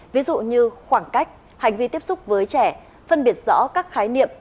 ví dụ như khoảng cách hành vi tiếp xúc với trẻ phân biệt rõ các khái niệm